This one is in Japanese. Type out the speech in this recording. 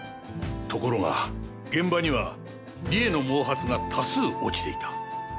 ところが現場には理恵の毛髪が多数落ちていた。